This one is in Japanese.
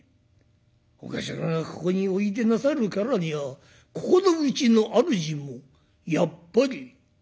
お頭がここにおいでなさるからにはここのうちの主もやっぱりお仲間ですけ？」。